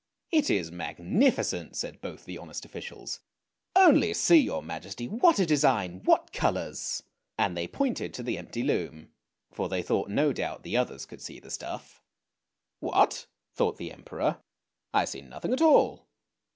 " It is magnificent! " said both the honest officials. " Only see, your Majesty, what a design! What colours! " And they pointed to the empty loom, for they thought no doubt the others could see the stuff. " What! " thought the Emperor; " I see nothing at all!